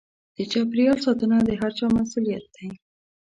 د چاپېريال ساتنه د هر چا مسووليت دی.